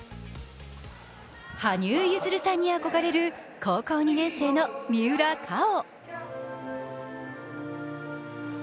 羽生結弦さんに憧れる高校２年生の三浦佳生。